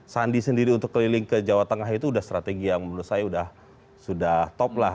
sandi sendiri untuk keliling ke jawa tengah itu sudah strategi yang menurut saya sudah top lah